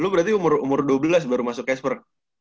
lu berarti umur dua belas baru masuk cashper